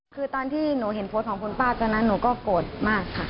คือตอนที่หนูเห็นโพสต์ของคุณป้าตอนนั้นหนูก็โกรธมากค่ะ